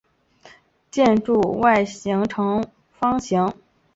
建筑外形为方形。